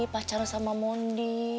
pacaran sama mondi